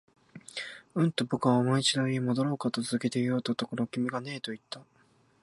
うん、と僕はもう一度言い、戻ろうかと続けて言おうとしたところ、君がねえと言った